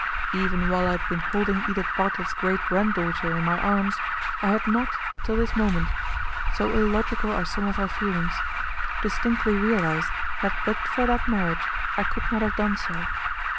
Even while I had been holding Edith Bartlett's great granddaughter in my arms, I had not, till this moment, so illogical are some of our feelings, distinctly realized that but for that marriage I could not have done so.